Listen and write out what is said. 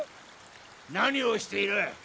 何をしている。